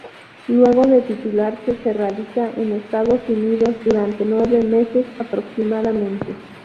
Luego de titularse se radica en Estados Unidos durante nueve meses aproximadamente.